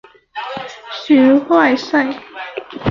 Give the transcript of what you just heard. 学坏晒！